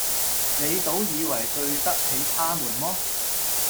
你倒以爲對得起他們麼？”